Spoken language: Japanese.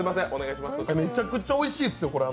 めちゃくちゃおいしいですよ、これ。